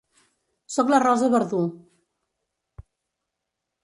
Soc la Rosa Verdú.